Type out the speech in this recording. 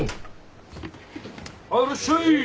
いらっしゃい！